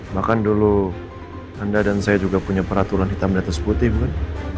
bahkan dulu anda dan saya juga punya peraturan hitam dan putih bukan